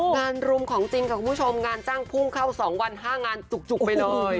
รุมของจริงค่ะคุณผู้ชมงานจ้างพุ่งเข้า๒วัน๕งานจุกไปเลย